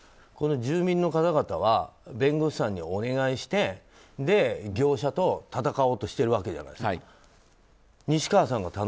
この住民の方々は弁護士さんにお願いして業者と戦おうとしているわけじゃないですか。